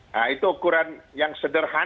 nah itu ukuran yang sederhana